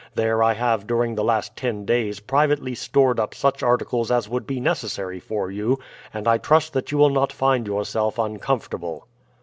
There I have during the last ten days privately stored up such articles as would be necessary for you, and I trust that you will not find yourself uncomfortable."